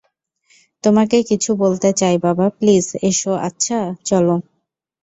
তোমাকে কিছু বলতে চাই বাবা, প্লিজ এসো আচ্ছা, চলো।